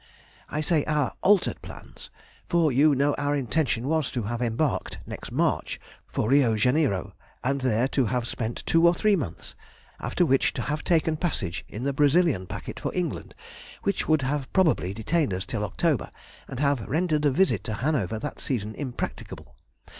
I say our altered plans, for you know our intention was to have embarked next March for Rio Janeiro, and there to have spent two or three months, after which to have taken passage in the Brazilian packet for England, which would have probably detained us till October, and have rendered a visit to Hanover that season impracticable.